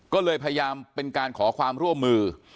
ก็เลยพยายามเป็นการขอความร่วมมือ